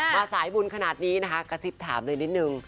สายบุญขนาดนี้นะคะกระซิบถามเลยนิดนึง